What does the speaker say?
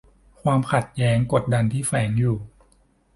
ความขัดแย้งกดดันที่แฝงอยู่